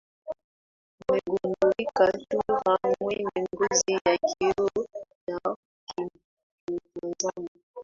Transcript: amegundulika chura mwenye ngozi ya kioo na ukimtazama